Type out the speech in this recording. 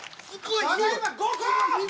ただいま５個！